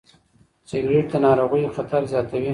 سګرېټ د ناروغیو خطر زیاتوي.